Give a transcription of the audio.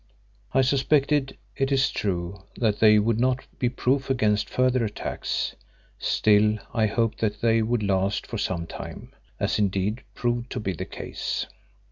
I suspected, it is true, that they would not be proof against further attacks, still, I hoped that they would last for some time, as indeed proved to be the case.